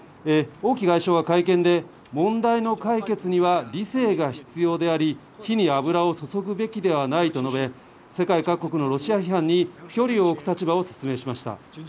王毅外相は会見で、問題の解決には理性が必要であり、火に油を注ぐべきではないと述べ、世界各国のロシア批判に距離を置く立場を説明しました。